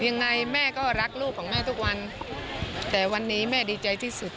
ยังไงแม่ก็รักลูกของแม่ทุกวันแต่วันนี้แม่ดีใจที่สุด